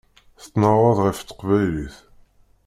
Tettnaɣeḍ ɣef teqbaylit.